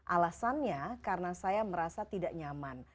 alasannya karena saya merasa tidak nyaman